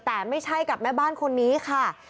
แต่ไม่ใช่กับแม่บ้านคนนี้ค่ะ